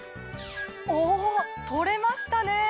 お取れましたね！